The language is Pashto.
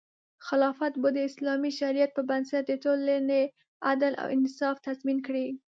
خلافت به د اسلامي شریعت په بنسټ د ټولنې عدل او انصاف تضمین کړي.